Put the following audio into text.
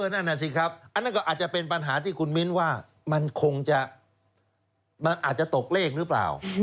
นั่นก็อาจจะเป็นปัญหาที่คุณมิ้นว่ามันคงจะมันอาจจะตกเลขหรือเปล่า